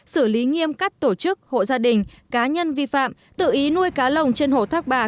xử lý nghiêm các tổ chức hộ gia đình cá nhân vi phạm tự ý nuôi cá lồng trên hồ thác bà